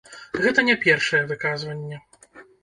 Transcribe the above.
Гэта не першае выказванне.